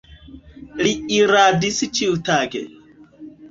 Li iradis ĉiutage.